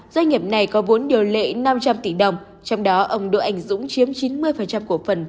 doanh nghiệp này có vốn điều lệ năm trăm linh tỷ đồng trong đó ông đỗ anh dũng chiếm chín mươi cổ phần